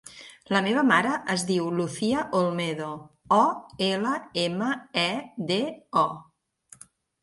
La meva mare es diu Lucía Olmedo: o, ela, ema, e, de, o.